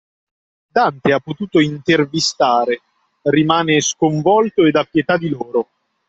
Dante ha potuto “intervistare” rimane sconvolto ed ha pietà di loro